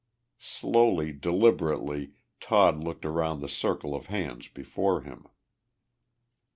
Slowly, deliberately, Todd looked around the circle of hands before him.